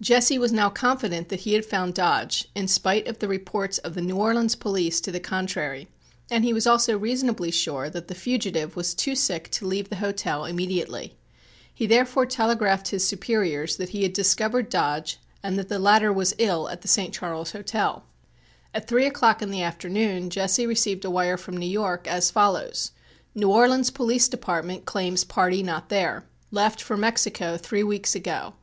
Jesse was now confident that he had found Dodge, in spite of the reports of the New Orleans police to the contrary, and he was also reasonably sure that the fugitive was too sick to leave the hotel immediately. He therefore telegraphed his superiors that he had discovered Dodge and that the latter was ill at the St. Charles Hotel. At three o'clock in the afternoon Jesse received a wire from New York as follows: New Orleans police department claims party not there. Left for Mexico three weeks ago.